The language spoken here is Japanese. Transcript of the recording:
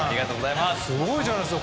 すごいじゃないですか。